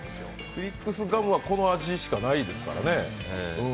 フィリックスガムはこの味しかないですからね。